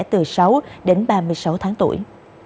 từ sáu đến ba mươi tuổi